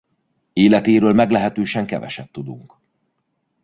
Életéről meglehetősen keveset tudunk.